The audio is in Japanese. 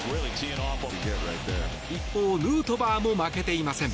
一方、ヌートバーも負けていません。